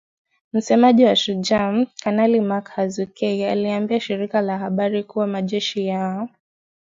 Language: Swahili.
Msemaji wa Shujaa, Kanali Mak Hazukay aliliambia shirika la habari kuwa majeshi ya